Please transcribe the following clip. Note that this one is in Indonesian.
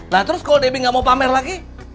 nah terus kalau debbie gak mau pamer lagi